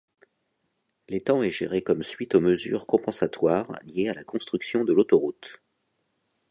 L'étang est géré comme suite aux mesures compensatoires liées à la construction de l'autoroute.